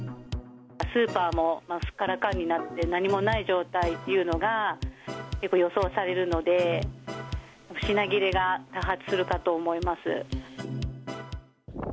スーパーもすっからかんになって、何もない状態っていうのが、やっぱり予想されるので、品切れが多発するかと思います。